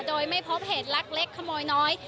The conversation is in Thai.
โดยไม่พบเหตุลักษณ์เล็กขโมยน้อย